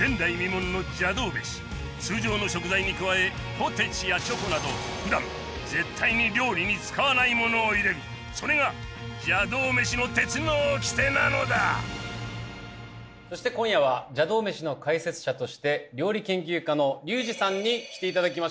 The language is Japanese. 前代未聞の邪道メシ通常の食材に加えポテチやチョコなど普段絶対に料理に使わないものを入れるそれが邪道メシの鉄の掟なのだそして今夜は邪道メシの解説者として料理研究家のリュウジさんに来ていただきました